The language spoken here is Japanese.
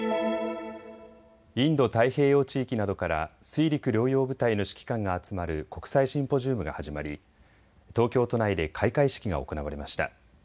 インド太平洋地域などから水陸両用部隊の指揮官が集まる国際シンポジウムが始まり東京都内で開会式が行われました。